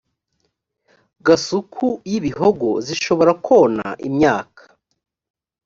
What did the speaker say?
gasuku y ibihogo zishobora kona imyaka